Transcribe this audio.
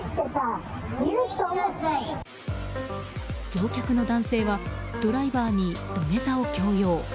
乗客の男性は、ドライバーに土下座を強要。